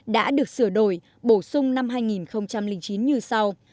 đã được sửa đổi bổ sung năm hai nghìn chín như sau